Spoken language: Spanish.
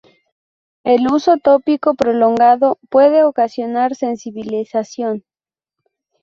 El uso tópico prolongado puede ocasionar sensibilización.